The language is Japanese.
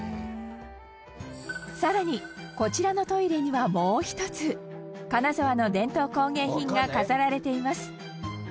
更にこちらのトイレには、もう１つ金沢の伝統工芸品が飾られています